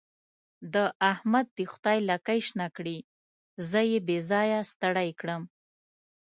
د احمد دې خدای لکۍ شنه کړي؛ زه يې بې ځايه ستړی کړم.